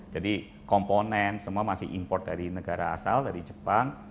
jadi komponen semua masih import dari negara asal dari jepang